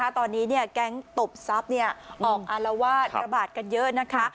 ตอนนี้แก๊งตบทรัพย์ออกอารวาสระบาดกันเยอะนะคะ